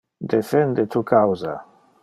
Defende tu causa!